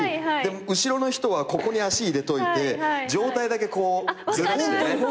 後ろの人はここに足入れといて上体だけこうずらしてね。